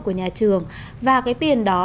của nhà trường và cái tiền đó